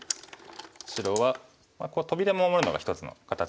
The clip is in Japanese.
白はトビで守るのが一つの形なんですね。